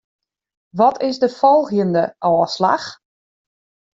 Wat is de folgjende ôfslach?